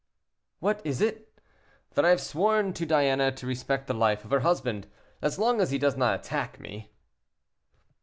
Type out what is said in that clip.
"What is it?" "That I have sworn to Diana to respect the life of her husband, as long as he does not attack me."